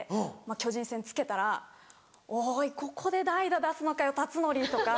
巨人戦つけたら「おいここで代打出すのかよ辰徳！」とか。